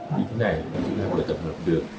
như thế này mà chúng ta có thể tập hợp được